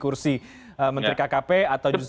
kursi menteri kkp atau justru